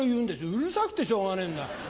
うるさくてしょうがねえんだ。